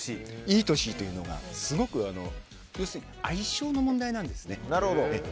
ＥとＣというのが要するに相性の問題なんですね。